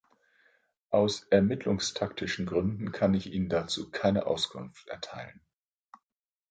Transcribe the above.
Aus ermittlungstaktischen Gründen kann ich Ihnen dazu keine Auskunft erteilen.